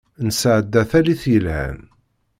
Nesεedda tallit yelhan.